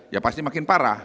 ya pasti makin parah